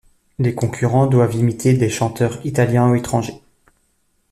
Les concurrents doivent imiter des chanteurs italiens ou étrangers.